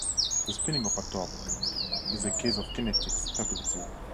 The spinning of a top is a case of kinetic stability.